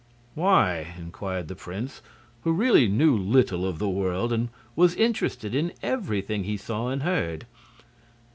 "Why?" inquired the prince, who really knew little of the world, and was interested in everything he saw and heard.